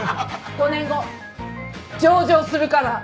５年後上場するから。